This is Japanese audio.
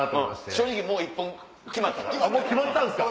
正直もう１本決まったから。